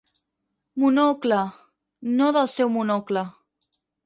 Monocle, no del seu Monocle.